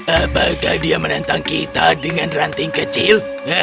apakah dia menentang kita dengan ranting kecil